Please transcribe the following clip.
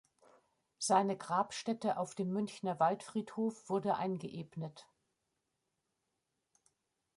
Seine Grabstätte auf dem Münchner Waldfriedhof wurde eingeebnet.